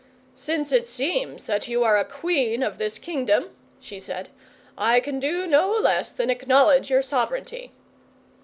'Since it seems that you are a Queen of this Kingdom,' she said, 'I can do no less than acknowledge your sovereignty.